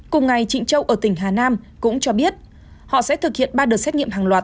cùng ngày trịnh châu ở tỉnh hà nam cũng cho biết họ sẽ thực hiện ba đợt xét nghiệm hàng loạt